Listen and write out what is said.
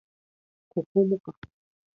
ここもか